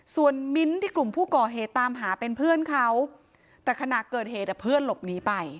ส่วนมิ้นท์ที่กลุ่มผู้ก่อเหตุตามหาเป็นเพื่อนเขาแต่ขณะเกิดเหตุเพื่อนหลบหนีไป